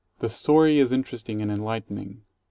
The story is interesting and enlightening.